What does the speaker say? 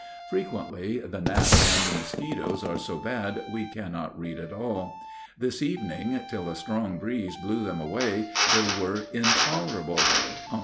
Frequently the gnats and the mosquitos are so bad we cannot read at all. This evening, till a strong breeze blew them away, they were intolerable.